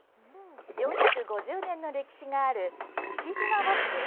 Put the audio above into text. ４５０年の歴史がある西嶋和紙です。